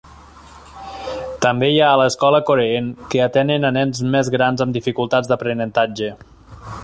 També hi ha l'escola Coreen, que atén a nens més grans amb dificultats d'aprenentatge.